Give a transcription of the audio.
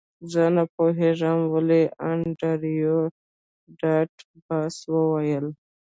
زه نه پوهیږم ولې انډریو ډاټ باس وویل